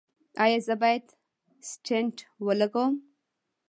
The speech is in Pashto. ایا زه باید سټنټ ولګوم؟